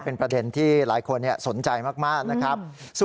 เป็นประเด็นที่หลายคนสนใจมากนะครับ